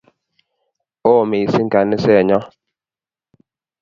Oo missing' ganiset nyo